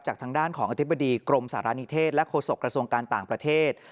ทางด้านของอธิบดีกรมสารณิเทศและโฆษกระทรวงการต่างประเทศ